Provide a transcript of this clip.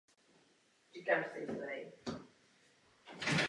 A tato kritika zejména není zaměřena proti maďarskému lidu.